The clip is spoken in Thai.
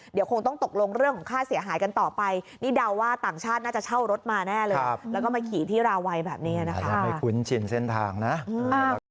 เดี๋ยวคงต้องตกลงเรื่องของค่าเสียหายกันต่อไป